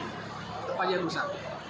apa yang rusak